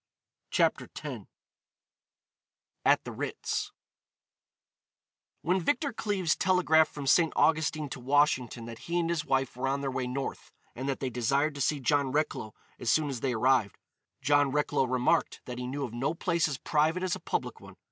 CHAPTER X AT THE RITZ When Victor Cleves telegraphed from St. Augustine to Washington that he and his wife were on their way North, and that they desired to see John Recklow as soon as they arrived, John Recklow remarked that he knew of no place as private as a public one.